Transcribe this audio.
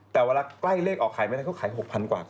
แต่เวลาใกล้เลขออกขายมาแล้วก็ขาย๖๐๐๐กว่า